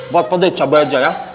buat pede cabai aja ya